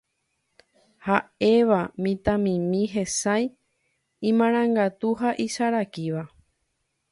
ha'éva mitãmimi hesãi, imarangatu ha isarakíva.